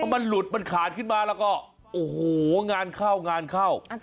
มันหลุดมันขาดขึ้นมาแล้วก็โอ้โหงานเข้างานเข้า